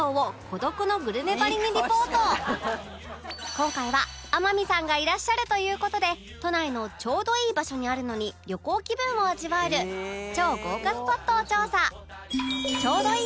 今回は天海さんがいらっしゃるという事で都内のちょうどいい場所にあるのに旅行気分を味わえる超豪華スポットを調査